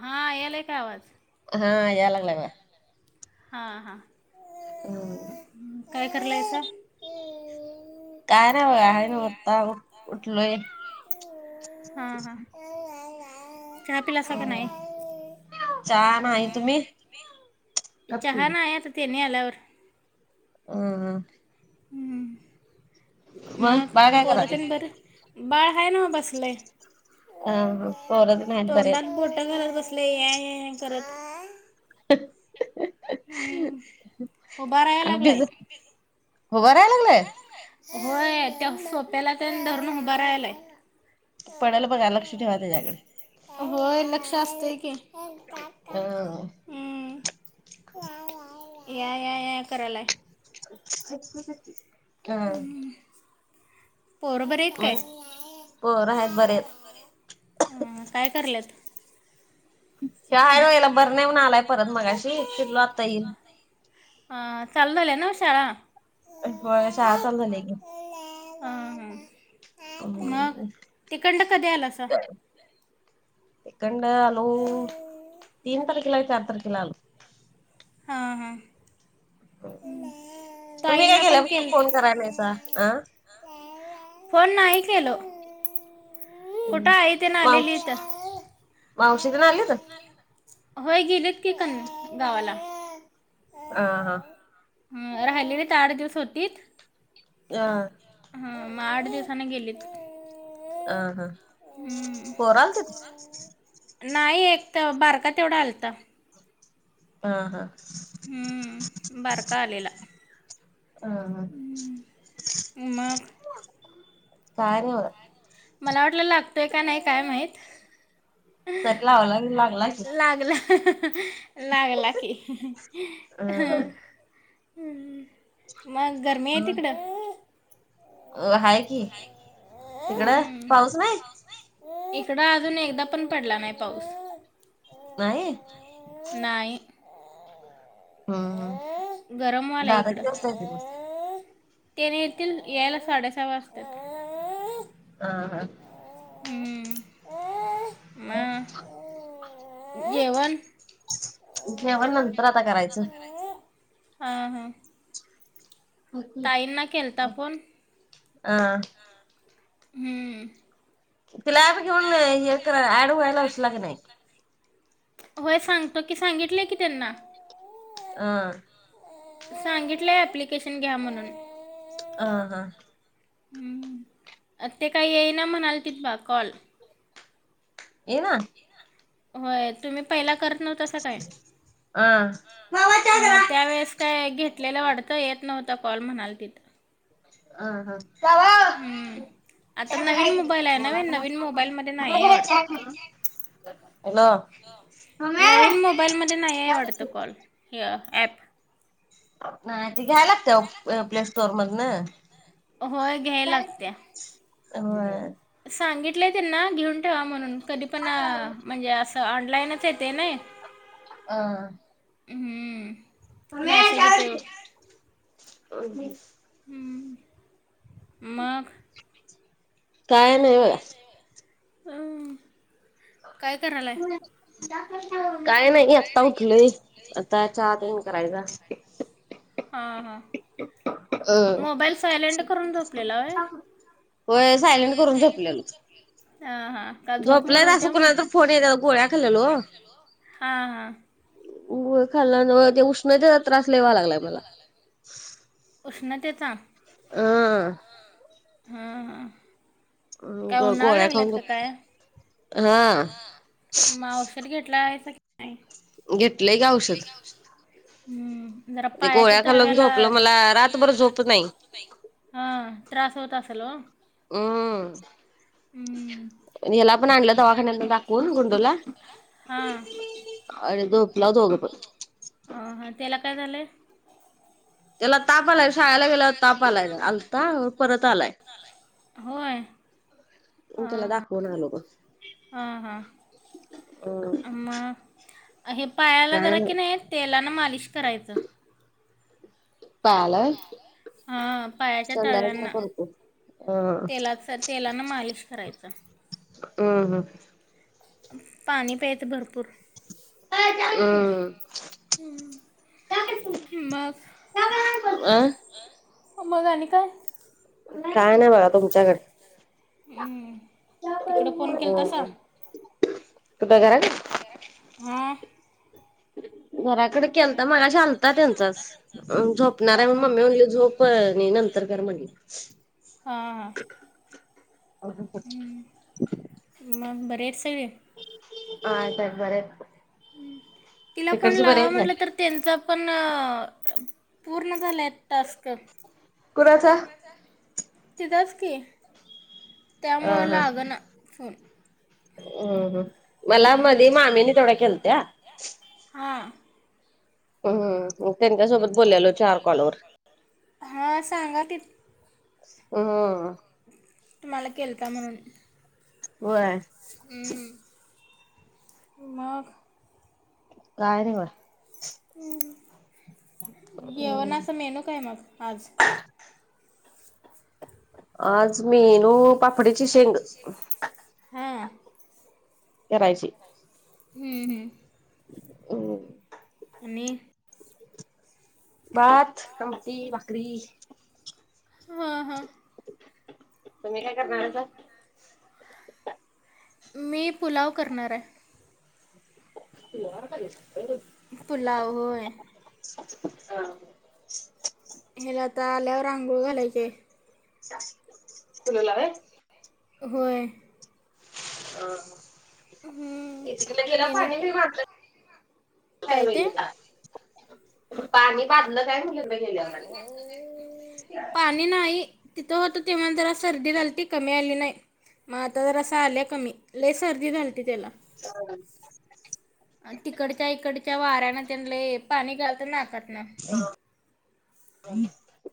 हा यायलाय काय आवाज. हा, या लागलाय बघा. हा-हा हम्म काय करालायसा. काय नाय बघा, आहे नव आता बठलोय. हा-हा चहा पिलासा काय नाही. चहा नाही. तुम्ही अ चहा नाई आता तेनी आल्यावर. हम्म. मग बाळ काय करायलय पोरतेन बरं, बाळ हाय नव बसलय. हा - हा पोर तेन हायत बरीयत. पट्या घालात बसलय, या-या करत. ह. हम्म उभा राहायला अग लागलाय भिज, उभारायला लागलय. होय त्या सोप्याला तेन धरून उभा राहायलाय. पडल बघा लक्ष ठेवा त्याच्याकड. होय, लक्ष असतय की. हा. हम या या या करालाय. अ. पोर बरीयत काय? पोर हायत बरीयत. हम काय कराल्यात. यो हाय नव याला बर नाही मनून‌ आलाय परत मगाशी [unintelligible] आता येईल. हा चालू झाल्या नव शाळा. व्हय शाळा चालू झाल्या की. हा ह, मग तिकंड कधी आलासा. तिकंड आलो तीन तारखेला का [unintelligible] चार तारखेला आलो. हां हां तुम्ही काय ताईंना पण गेल्यापसन केल फोन कराय नायसा आ. फोन नाही केलो, कुठं आई तेन आलेली इथं. मावशीतेन आलीत. होय गेलीत की कण गावाला. हा हा. राहिलेलीत आठ दिवस होतीत. [unintelligible] हम मग आठ दिवसांन गेलीत. अ ह. हम्म. पोरांचीच. नाही एक त बारका तेवढा आलता. हा हा. हम्म बरका आ लेला अ हा हम, मग. काय नाही बघ. मला वाटल लागतोय क नाही काय माहीत. सट लावायला लागला की लागला. लागला की, अ ह हम्म. मग गरमी आहे तिकडं. अ हाय की, तिकडं पाऊस नाही. इकड अजून एकदा पण पडला नाही पाऊस. नाही. नाही. हम् हम‌्. गरमव्हालाय इकड, तेनी येतील यायला साडेसहा वाजत्यात. [unintelligible] हा. ह‌्म, मग जेवण. उठल्यावर नंतर आता करायचं. हा हा. ताईंना केलता फोन, हा हम्म. तिला ॲप घेऊन हे कराय ऍड व्हायला लावशीला क नाही. होय सांगतो की सांगितलय की त्यांना. अ. सांगितलंय एप्लीकेशन घ्या म्हणून. अ ह हम्म आ ते काय येईना म्हणालती तिथ बा कॉल ये ना होय तुम्ही पहिला करत न्हवतासा काय मावा चहा हम‌ हा करा त्यावेळेस काय घेतलेला वाटत येत नव्हता कॉल म्हणालतीत अ ह बाबाओ हम्म आता नवीन मोबाईल आहे नवे नवीन मोबाईलमध्ये नाही आहे वाटतं [unintelligible] हॅलो ह ॲप नाही ते घ्यायला‌ लागत्या ओ प्ले स्टोर मधन होय घ्याय लागत्या होय सांगितलं त्यांना घेऊन ठेवा म्हणून कधी पण आ म्हणजे अस त ऑनलाईनच येतय नाही अ हम्म मम्मे मॅसेज चहा कर येतोय ओ [unintelligible] हम्म् मग काय नाही बगा अम‌् काय करायलाय काय नाही आता उठलोय आता च्या तेन करायचा हा, हा अ मोबाईल सायलेंट करून झोपलेला होय होय सायलेंट करून झोपलेलो ह हा झोपलंच अस कोणाच तर फोन येत्यात गोळ्या खालेलो हां हां ओ होय खाल्लेलो ते उष्णतेचा त्रास लय व्हालाय मला उष्णतेचा ह हम‌् हा काय उन्हाळया गोळ्या लागल्यात खाऊन का झोप काय हा मग औषध घेतला नाहीसा घेतलंय की औषध हम्म जरा ते पायाच्या गोळ्या खाल्लोन तळव्याला झोपलो मला रातभर झोप नाही ह त्रास होत असेल ओ अ हम्म दवाखान्यातनं दाखवून हा अणि झोपलाव दोगपण अ हा त्याला काय झालंय त्याला ताप आलाय शाळेला गेल्यावर ताप आलाय आलता परत आलाय होय मग त्याला दाखवून आलो बघ हा, काय हा मग हे पायाला नाय जरा की नाही तेलानं मालिश करायचं पायाला व्हय. हा पायाच्या संध्याकाळी तळव्यांना करतो. हम्म तेलात सर तेलानं मालिश करायचं. ''हं ''हं'' पाणी प्यायच भरपूर. अ'' हं'' मग अ मग आणि काय. काय नाही बघा तुमच्याकड. हम्म तिकडं हम् फोन केलतासा? हम् कुठ घरात. हा, घराकडे केलता तर मगाशी आलता त्यांचाच. झोपणार आहे हां मम्मी म्हणली झोप आणि नंतर कर म्हणाली. हा हा. [inaudible] मग बरे आहेत सगळे. आहेत आहेत बरे आहेत बघ. तिला फोन तिकडचे लावावा म्हटलं तर. त्यांचा पण पूर्ण झालाय टास्क. कुणाचा. तिचाच की. त्यामुळं ''हं'' हा ''हं लागना फोन ''हं'' मला मधी हम्म, मामीनीं तेवढं केलत्या. हा, होय होय होय. मग त्यांच्या सोबत बोललेलो चार कॉलवर. हां सांगा की ''हं'' तुम्हाला केलता म्हणून. होय. ''हं'' मग. काय नाही बघा. हं हम्म जेवणाचा मेनू काय मग आज. आज मेनू पापडीची शेंग. करायची. ''हं'' हं'' ह, आणि. भात आमटी भाकरी. हां हां तुम्ही काय करणारेसा. मी पुलाव करणार आहे. [unintelligible] होय रे पुलाव होय. ह्याला आता आल्यावर आंघोळ घालायची आहे. पिल्लूला होय? होय. हं हम्म. हं [unintelligible] गेला त्याने पाणी म्हटलं काय ते पाणी बांधलं काय म्हणलो. पाणी. ते नाही तिथं होत तेव्हां जरा सर्दी झालती. कमी आली नाही. मग आता जरासं आलंय कमी. लई सर्दी झाालती त्याला. हा आन तिकडच्या इकडच्या वाऱ्यान त्यांले पाणी गाळत नाकातन.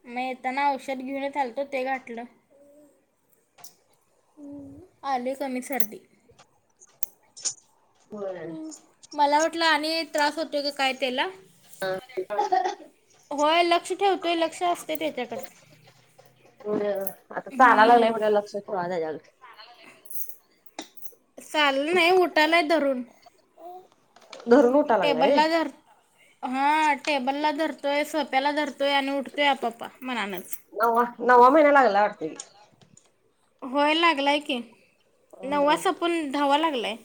म येताना औषध घेऊनच आलतो ते घातलं. आले कमी सर्दी. व्हय. मला वाटलं आणि त्रास होतोय का काय त्याला? होय. लक्ष ठेवतोय. लक्ष असतय त्याच्याकड. होय. आता चालाय लागलाय बघा की. वा त्याच्या बघ [unintelligible] चालालाय नाही उटायलाय धरून. धरुन उट- टेबलला धर- हा. टेबलला धरतोय. सोफ्याला धरतोय आणि उठतोय आपप्पा मनानच. नववा. नववा महिना लागलाय वाटत की. होय. लागलाय की. नववा संपून धाववा लागलाय.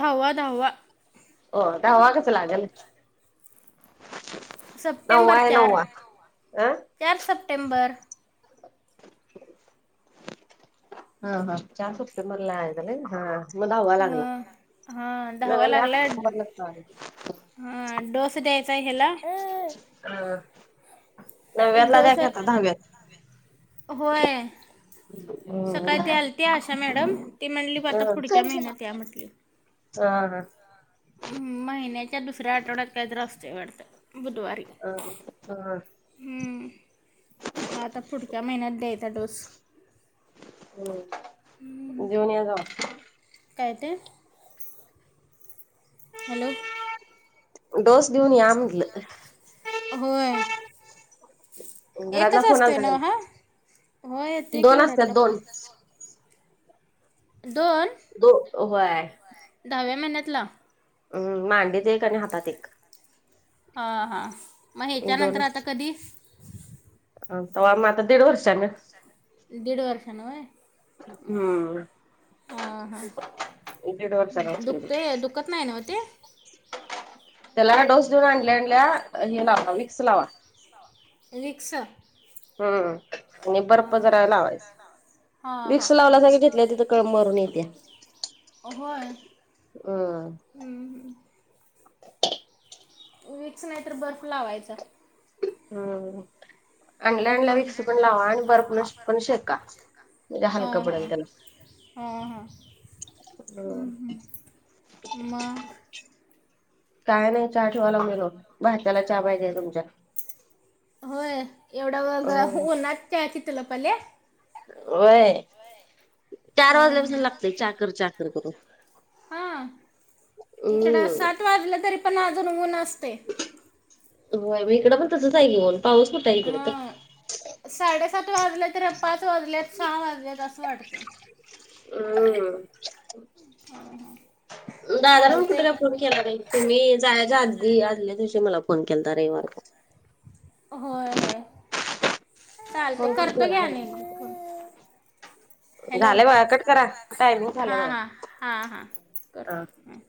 धाव्वा धाव्वा. ओ दहावा कसा लागलं? नऊवा सप्टेंबर आहे चार नऊवा. अं. चार सप्टेंबर. हां. हां. चार सप्टेंबरला आहे का नाही? हां. म धाव्वा लागला. हां हां दहावा लागलाय [unintelligible] हां. डोस द्याय - हां. डोस [unintelligible] होय. हम्म सकाळी ते आलती आशा मॅडम. ती म्हणली आता पुढच्या हा महिन्यात या म्हटली. हा. हा. हं. महिन्याच्या दुसऱ्या आठवड्यात काहीत र असतय वाटतं बुधवारी. अं. हं. हं. म आता पुढच्या महिन्यात द्यायचा डोस. हम्. घेऊन या जाऊन. काय ते? हॅलो. डोस. घेऊन या म्हटलं. होय. घरातला एकच फोन असतोय आलता नव्ह त्यांना हा? हो. येतोय दोन की असतात घरातलं पण- दोन दोन? दो व्हाय. दहाव्या महिन्यातला? हम. मांडीत एक आणि हातात एक. हां. हां. मग ह्याच्यानंतर आता कधी? अ तवा म आता दीड वर्षान. दीड वर्षान व्हय. हम्म. हां हां दीड वर्षांनी उच केले दुखतंय दुखत नाही ना हो ते त्याला डोस देऊन आणल्या आणल्या हे लावा मिक्स लावा. रिक्सा. हम्म आणि बरप लावायचं. हा हा, मरून येत्या. अ होय. हम. वीक्स नाही तर बर्फ लावायचा. हम्म हम्म. आणल्या आणल्या विक्स पण लावा आणि बर्फन पण शेका म्हणजे हलका पडल त्यांना. हम्म हम्म ह मग. काय नाही चहा ठेवायला गेलो भाच्याला चहा पाहिजे तुमच्या. होय एवढा अ मग ऊन्हात चहाची तल्लफ आलीय. होय चार वाजल्यापासून लागतय चहा कर चहा कर करून. हा इकड हम्म. सात वाजलं तरी पण अजून ऊन असतेय. हो मी इकडं पण तसंच आहे ऊन पाऊस कुठाय इकडे तर. हा साडेसात वाजल्या तर पाच वाजल्यात सहा वाजल्यात असं वाटतेय. हम्म दादाला कुठ चालतंय काय की फोन. केला तुम्ही जायच्या आदी आदल्या दिवशी मला फोन केला रविवारचा. होय होय चालत फोन कुठे करतो केला घ्या नाही. आणि. फोन हॅलो झालंय बघा कट करा टायमिंग झालं हां बघा हां हां हां कर ह. हां